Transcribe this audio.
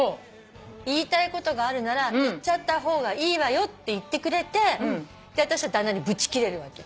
言いたいことがあるなら言っちゃった方がいいわよって言ってくれて私は旦那にぶちキレるわけ。